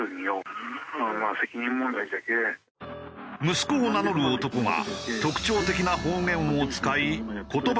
息子を名乗る男が特徴的な方言を使い言葉